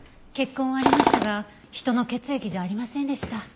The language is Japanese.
血痕はありましたが人の血液じゃありませんでした。